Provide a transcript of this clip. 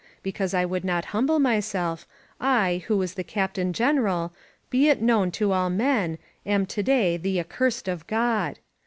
Because I would not humble myself, I, who was the Captain Gen eral, be it known to all men, am to day the accursed of God.